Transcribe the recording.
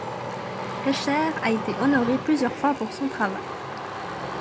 Rescher a été honoré plusieurs fois pour son travail.